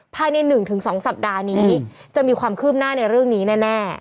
ภายใน๑๒สัปดาห์นี้จะมีความคืบหน้าในเรื่องนี้แน่